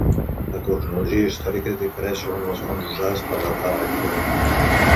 La cronologia històrica difereix segons les fonts usades per datar l'èxode.